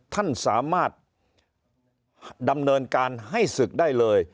ท่านสามารถดำเนินการให้ศึกได้เลย